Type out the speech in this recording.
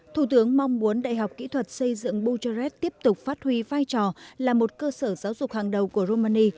thủ tướng mong muốn đại học kỹ thuật xây dựng buchares tiếp tục phát huy vai trò là một cơ sở giáo dục hàng đầu của romani